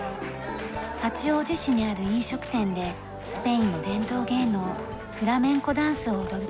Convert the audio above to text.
八王子市にある飲食店でスペインの伝統芸能フラメンコダンスを踊る時です。